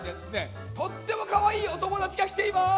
とってもかわいいおともだちがきています。